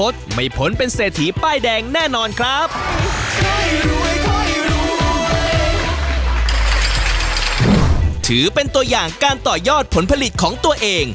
ถือเป็นตัวอย่างการต่อยอดผลผลิตของตัวเอง